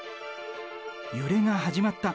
揺れが始まった。